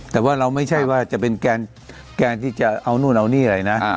แต่ว่าเราจะไม่ใช่แกนที่จะเอานู่นเนี่ยเลยนะ